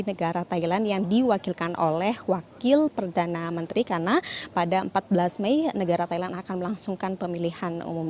negara thailand yang diwakilkan oleh wakil perdana menteri karena pada empat belas mei negara thailand akan melangsungkan pemilihan umum